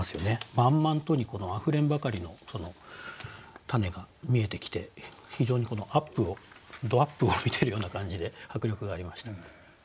「満満と」にあふれんばかりの種が見えてきて非常にアップをドアップを見ているような感じで迫力がありました。